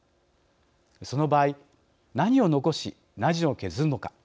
その場合、何を残し何を削るのか。